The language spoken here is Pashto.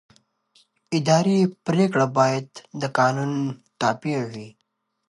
اداري پرېکړه باید د قانون تابع وي.